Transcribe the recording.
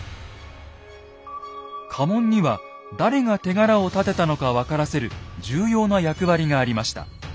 家紋には誰が手柄を立てたのか分からせる重要な役割がありました。